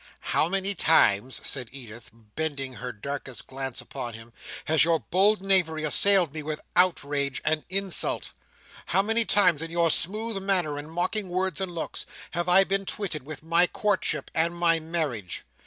"How many times," said Edith, bending her darkest glance upon him, "has your bold knavery assailed me with outrage and insult? How many times in your smooth manner, and mocking words and looks, have I been twitted with my courtship and my marriage?